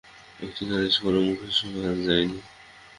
একটি নালিশ কারো মুখে শোনা যায় নি।